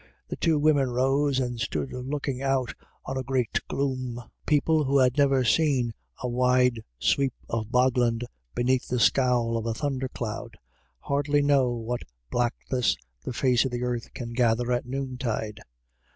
The two women rose, and stood looking out on a great gloom. People who have never seen a wide sweep of bogland beneath the scowl of a thunder cloud, hardly know what blackness the face of the earth can gather at noontide.